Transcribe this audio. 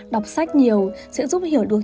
đọc sách nhiều sẽ giúp hiểu được